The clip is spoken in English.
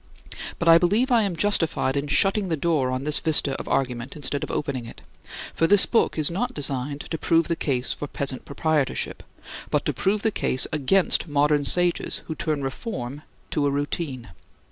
But I believe I am justified in shutting the door on this vista of argument, instead of opening it. For this book is not designed to prove the case for Peasant Proprietorship, but to prove the case against modern sages who turn reform to a routine.